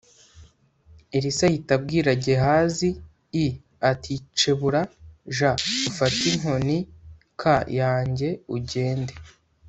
Elisa ahita abwira Gehazi i ati cebura j ufate inkonik yanjye ugende